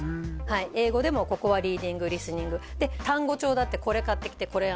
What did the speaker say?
英語でもここはリーディングリスニングで単語帳だってこれ買ってきてこれやんなさい